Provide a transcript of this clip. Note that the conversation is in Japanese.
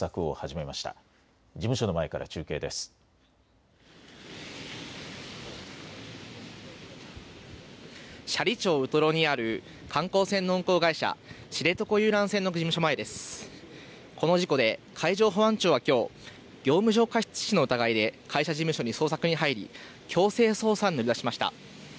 この事故で海上保安庁はきょう業務上過失致死の疑いで会社事務所に捜索に入り強制捜査に乗り出しました。